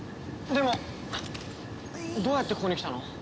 でもどうやってここに来たの？